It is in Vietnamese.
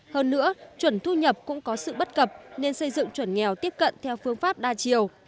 hơn nữa chuẩn thu nhập cũng có sự bất cập nên xây dựng chuẩn nghèo tiếp cận theo phương pháp đa chiều